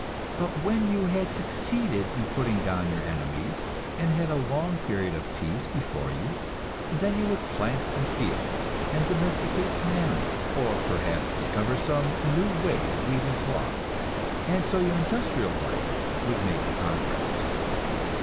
But when you had succeeded in putting down your enemies, and had a long period of peace before you, then you would plant some fields, and domesticate some animals, or perhaps discover some new way of weaving cloth and so your industrial life would make progress.